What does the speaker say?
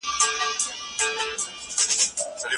ایا د سهار په ورزش کي د ملګرو سره مسابقه کول خوندور دي؟